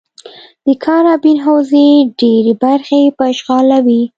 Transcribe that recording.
د کارابین حوزې ډېرې برخې به اشغالوي.